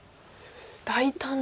大胆な。